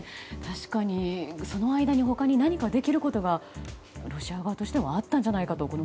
確かに、その間に他に何かできることがロシア側としてはあったんじゃないかと。